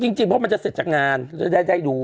จริงจริตเพราะมันจะเสร็จจากงานให้ดู